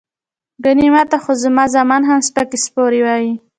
ګني ماته خو زما زامن هم سپکې سپورې وائي" ـ